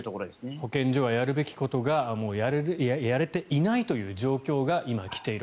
保健所がやるべきことがやれていないという状況が今、来ている。